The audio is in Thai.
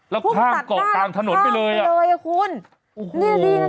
แล้วพุ่งตัดกล้าข้างไปเลยครับคุณพุ่งตัดกล้าข้างไปเลยครับคุณแล้วพุ่งตัดกล้าข้างไปเลยครับคุณ